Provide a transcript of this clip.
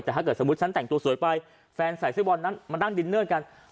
แต่ถ้าเกิดสมมุติฉันแต่งตัวสวยไปแฟนใส่เสื้อบอลนั้นมานั่งดินเนอร์กัน